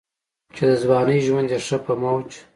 چې دَځوانۍ ژوند ئې ښۀ پۀ موج